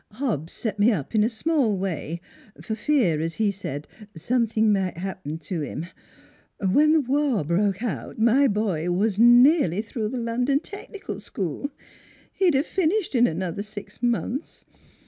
Hobbs set me up in a small way, for fear, as he said, something might 'appen to him. When the war broke out my boy was nearly through NEIGHBORS 115 the London Technical School. He'd have fin ished in another six months.